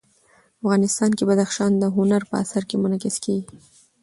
افغانستان کې بدخشان د هنر په اثار کې منعکس کېږي.